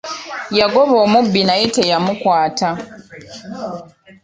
Yagoba omubbi naye teyamukwata.